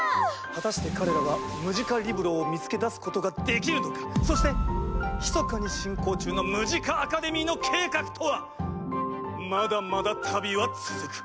果たして彼らはムジカリブロを見つけ出すことができるのか⁉そしてひそかに進行中のムジカ・アカデミーの計画とは⁉まだまだ旅は続く。